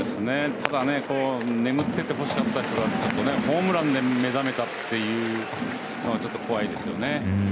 ただ眠っててほしかった人にホームランで目覚めたというのがちょっと怖いですね。